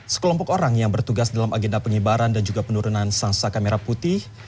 sekelompok orang yang bertugas dalam agenda pengibaran dan juga penurunan sangsaka merah putih